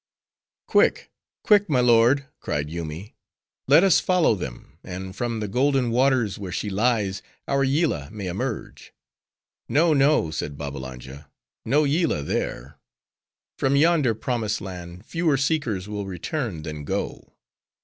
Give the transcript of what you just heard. "Quick, quick, my lord," cried Yoomy, "let us follow them; and from the golden waters where she lies, our Yillah may emerge." "No, no," said Babbalanja,—"no Yillah there!—from yonder promised land, fewer seekers will return, than go.